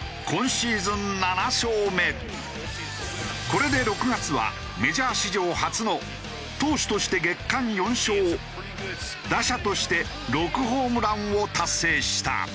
これで６月はメジャー史上初の投手として月間４勝打者として６ホームランを達成した。